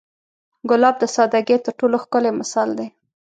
ګلاب د سادګۍ تر ټولو ښکلی مثال دی.